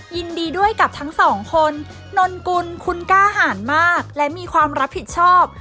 ยินดีด้วยกับทั้งสองคนนนกุลคุณกล้าหารมากและมีความรับผิดชอบ